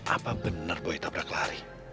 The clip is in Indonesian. apa bener boy tabrak lari